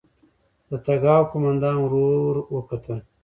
د تګاو قوماندان ورور وکتل.